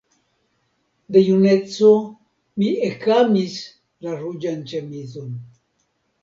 De juneco mi ekamis la ruĝan ĉemizon.